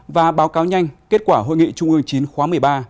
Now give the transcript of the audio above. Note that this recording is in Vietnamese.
và báo cáo nhanh kết quả hội nghị trung ương chín khóa một mươi ba